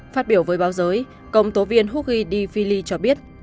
phát biểu với báo giới công tố viên hougui di fili cho biết